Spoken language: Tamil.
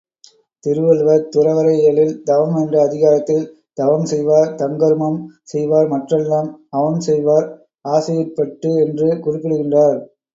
திருவள்ளுவர் துறவற இயலில் தவம் என்றஅதிகாரத்தில் தவம்செய்வார் தங்கருமம் செய்வார் மற்றெல்லாம் அவம்செய்வார் ஆசையுட் பட்டு என்று குறிப்பிடுகின்றார்.